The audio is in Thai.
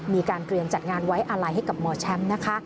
มีการเตรียมจัดงานไว้อาลัยให้กับหมอแชมป์นะคะ